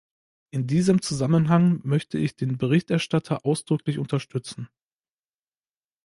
In diesem Zusammenhang möchte ich den Berichterstatter ausdrücklich unterstützen.